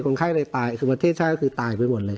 คนไข้เลยตายคือประเทศชาติก็คือตายไปหมดเลย